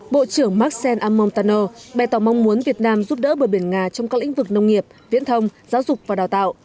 bộ trưởng maksen amontano bè tỏ mong muốn việt nam giúp đỡ bờ biển nga trong các lĩnh vực nông nghiệp viễn thông giáo dục và đào tạo